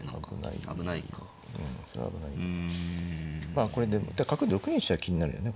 まあこれで角６二飛車が気になるよね